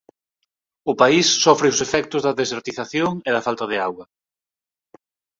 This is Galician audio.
O país sofre os efectos da desertización e da falta de auga.